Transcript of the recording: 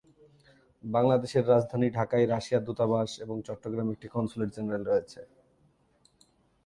বাংলাদেশের রাজধানী ঢাকায় রাশিয়ার দূতাবাস এবং চট্টগ্রামে একটি কনস্যুলেট-জেনারেল রয়েছে।